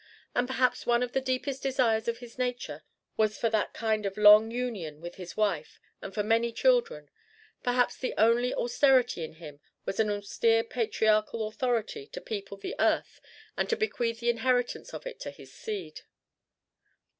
And perhaps one of the deepest desires of his nature was for that kind of long union with his wife and for many children: perhaps the only austerity in him was an austere patriarchal authority to people the earth and to bequeath the inheritance of it to his seed.